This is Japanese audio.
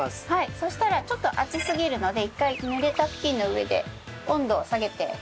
そしたらちょっと熱すぎるので一回ぬれたふきんの上で温度を下げて頂きます。